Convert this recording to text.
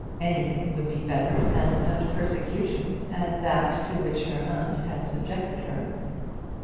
Anything would be better than such persecution as that to which her aunt had subjected her.